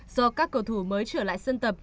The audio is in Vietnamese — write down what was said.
do các cầu thủ mới trở lại sân tập